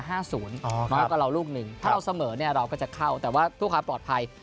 หมอเอากับเรารูกหนึ่งถ้าเราเสมอเราก็จะเข้าแต่ถ้าทุกค้าปลอดภัย